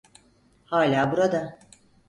Hala burada.